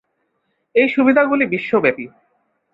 এই সুবিধাগুলি বিশ্বব্যাপী।